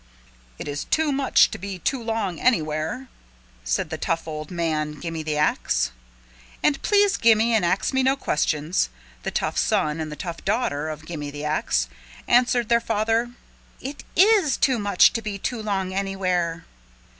"It is too much to be too long anywhere," said the tough old man, Gimme the Ax. And Please Gimme and Ax Me No Questions, the tough son and the tough daughter of Gimme the Ax, answered their father, "It is too much to be too long anywhere."